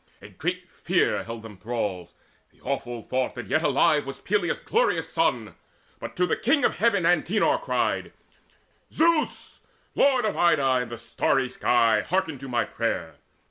A great fear held them thralls, the awful thought That yet alive was Peleus' glorious son. But to the King of Heaven Antenor cried: "Zeus, Lord of Ida and the starry sky, Hearken my prayer!